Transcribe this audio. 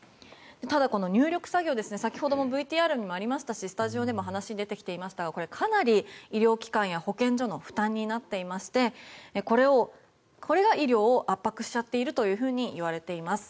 ただ入力作業先ほどもＶＴＲにもありましたしスタジオでも話に出ていましたがかなり医療機関や保健所の負担になっていましてこれが医療を圧迫しているといわれています。